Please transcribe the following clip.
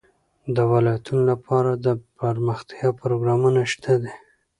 د ولایتونو لپاره دپرمختیا پروګرامونه شته دي.